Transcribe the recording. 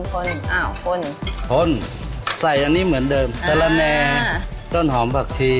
คนอ้าวคนพ่นใส่อันนี้เหมือนเดิมแต่ละแนต้นหอมผักชี